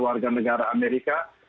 warga negara amerika